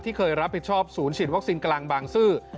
เคยรับผิดชอบศูนย์ฉีดวัคซีนกลางบางซื่อ